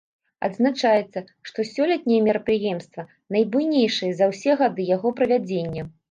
Адзначаецца, што сёлетняе мерапрыемства найбуйнейшае за ўсе гады яго правядзення.